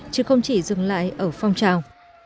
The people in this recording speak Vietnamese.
chứ không chỉ dừng lại ở phong trào